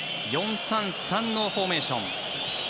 ４−３−３のフォーメーション。